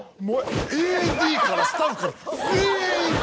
ＡＤからスタッフから全員。